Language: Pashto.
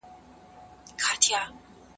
په مالونو کي ناحقه تصرف مه کوئ.